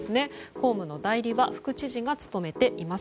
公務の代理は副知事が務めています。